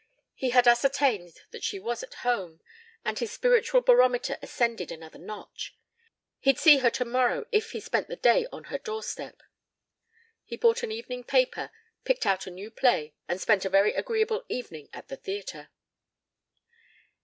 He had ascertained that she was at home and his spiritual barometer ascended another notch. He'd see her tomorrow if he spent the day on her doorstep. He bought an evening paper, picked out a new play, and spent a very agreeable evening at the theatre.